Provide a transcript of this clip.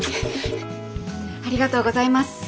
ありがとうございます。